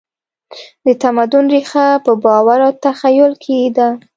د تمدن ریښه په باور او تخیل کې ده.